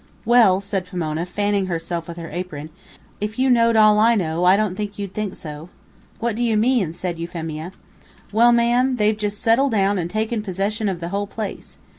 "Well," said Pomona, fanning herself with her apron, "if you know'd all I know, I don't think you'd think so." "What do you mean?" said Euphemia. "Well, ma'am, they've just settled down and taken possession of the whole place.